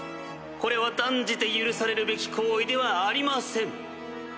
これは断じて許されるべき行為ではありません。